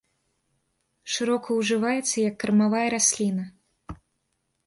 Шырока ўжываецца як кармавая расліна.